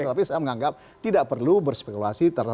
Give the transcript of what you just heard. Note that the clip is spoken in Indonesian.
tapi saya menganggap tidak perlu berspekulasi